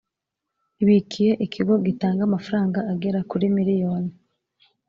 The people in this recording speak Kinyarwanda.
ibikiye ikigo gitanga amafaranga agera kuri miliyoni